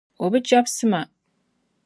O bi chɛbisi ma.